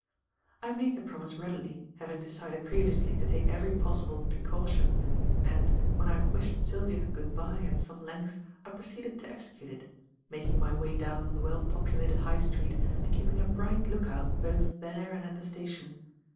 I made the promise readily having decided previously to take every possible precaution, and, when I had wished Sylvia "good bye" at some length, I proceeded to execute it; making my way down the well populated High Street and keeping a bright look out both there and at the station.